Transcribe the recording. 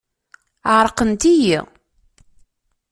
Ɛerqent-iyi.